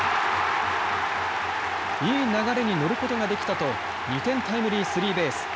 いい流れに乗ることができたと２点タイムリースリーベース。